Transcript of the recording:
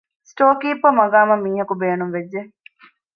ސްޓޯރ ކީޕަރ މަޤާމަށް މީހަކު ބޭނުންވެއްްޖެ